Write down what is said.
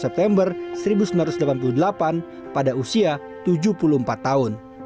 september seribu sembilan ratus delapan puluh delapan pada usia tujuh puluh empat tahun